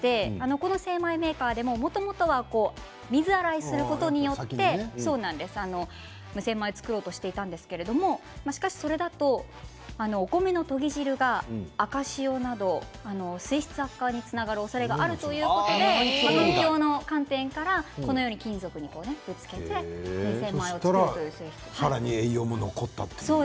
この精米メーカーでももともとは水洗いすることによって無洗米を作ろうとしていたんですけれども、しかしそれだとお米のとぎ汁が赤潮など水質悪化につながるおそれがあるということでこのように金属にぶつけて無洗米を作るということです。